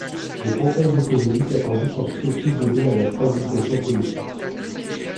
Les progrès économiques attendus sont susceptibles d'aider à la stabilisation politique.